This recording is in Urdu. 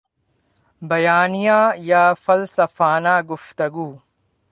بیانیہ یا فلسفانہ گفتگو